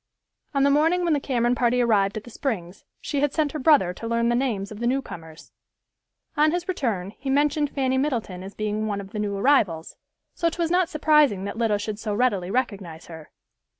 On the morning when the Cameron party arrived at the Springs, she had sent her brother to learn the names of the newcomers. On his return he mentioned Fanny Middleton as being one of the new arrivals, so 'twas not surprising that Lida should so readily recognize her.